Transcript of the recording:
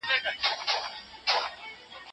د مور اوبه څښل هېر نه کړئ.